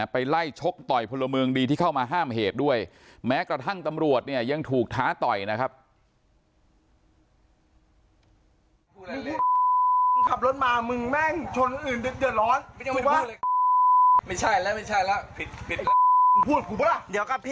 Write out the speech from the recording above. ไปไล่ชกต่อยพลเมืองดีที่เข้ามาห้ามเหตุด้วยแม้กระทั่งตำรวจเนี่ยยังถูกท้าต่อยนะครับ